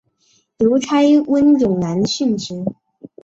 邮差温勇男殉职。